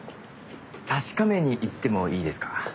確かめに行ってもいいですか？